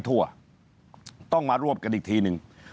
ทั่วต้องมารวบกันอีกทีนึง